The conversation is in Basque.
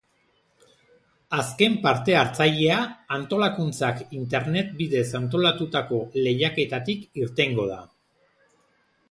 Azken parte-hartzailea antolakuntzak internet bidez antolatutako lehiaketatik irtengo da.